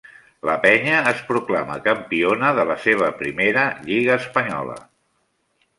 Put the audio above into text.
La Penya es proclama campiona de la seva primera lliga espanyola.